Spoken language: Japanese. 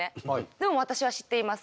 でも私は知っています